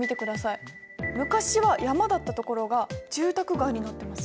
昔は山だった所が住宅街になってますよ。